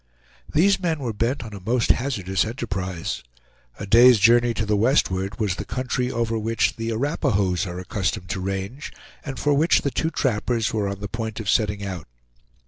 These men were bent on a most hazardous enterprise. A day's journey to the westward was the country over which the Arapahoes are accustomed to range, and for which the two trappers were on the point of setting out.